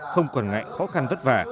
không quản ngại khó khăn vất vả